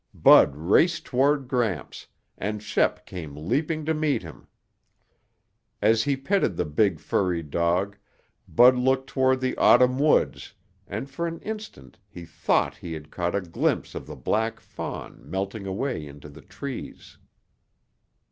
Bud raced toward Gramps, and Shep came leaping to meet him. As he petted the big furry dog, Bud looked toward the autumn woods and for an instant he thought he had caught a glimpse of the black fawn melting away into the trees.